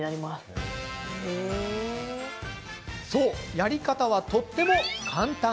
やり方は、とっても簡単。